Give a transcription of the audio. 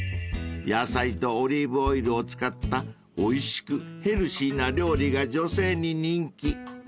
［野菜とオリーブオイルを使ったおいしくヘルシーな料理が女性に人気］